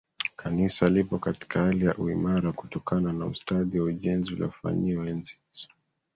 Kanisa lipo katika hali ya uimara kutokana na ustadi wa ujenzi uliofanywa enzi hizo